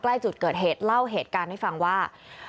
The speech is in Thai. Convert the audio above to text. ใกล้จุดเกิดเหตุเล่าเหตุการณ์ให้ฟังว่า